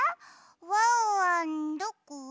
ワンワンどこ？